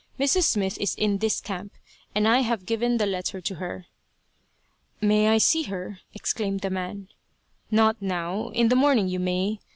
"Mrs. Smith is in this camp, and I have given the letter to her." "May I see her?" exclaimed the man. "Not now. In the morning you may.